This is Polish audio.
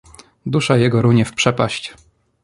Dusza jego runie w przepaść!